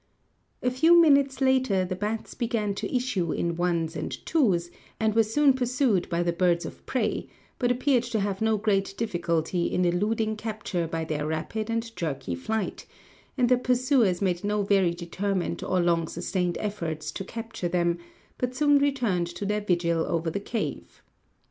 A few minutes later the bats began to issue in ones and twos, and were soon pursued by the birds of prey, but appeared to have no great difficulty in eluding capture by their rapid and jerky flight, and their pursuers made no very determined or long sustained efforts to capture them, but soon returned to their vigil over the cave.